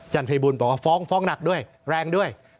ภัยบูลบอกว่าฟ้องฟ้องหนักด้วยแรงด้วย